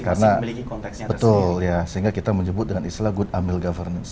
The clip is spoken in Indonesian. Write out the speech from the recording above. karena betul ya sehingga kita menyebut dengan istilah good amil governance